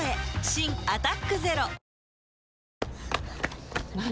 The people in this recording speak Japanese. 新「アタックＺＥＲＯ」何！？